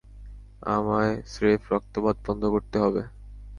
আমায় স্রেফ রক্তপাত বন্ধ করতে হবে।